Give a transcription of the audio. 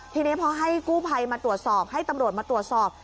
ทีนี้พอให้กู้ภัยมาตรวจสอบให้ตำรวจมาตรวจสอบ